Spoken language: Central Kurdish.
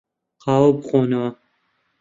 قاوە بخۆنەوە.